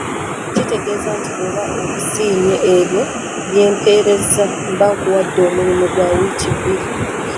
Kitegeeza nti bw'oba obisiimye ebyo bye mpeerezza, mba nkuwadde omulimu gwa wiiki bbiri.